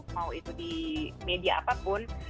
mau itu di media apapun